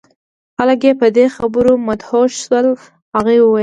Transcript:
خلک یې په دې خبرو مدهوش شول. هغوی وویل: